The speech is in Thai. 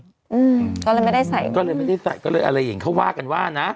อืมก็เลยไม่ได้ใส่กันก็เลยไม่ได้ใส่ก็เลยอะไรอย่างเขาว่ากันว่านะ